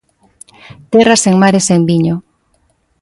Terra sen mar e sen viño.